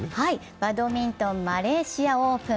バドミントンマレーシアオープン